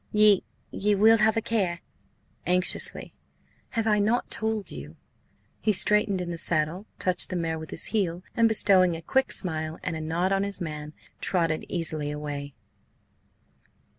Ye–ye will have a care?" anxiously. "Have I not told you?" He straightened in the saddle, touched the mare with his heel, and bestowing a quick smile and a nod on his man, trotted easily away.